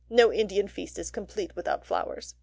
No Indian feast is complete without flowers.